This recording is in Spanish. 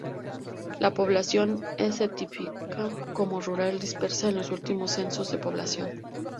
La población se tipifica como "rural dispersa" en los últimos censos de población.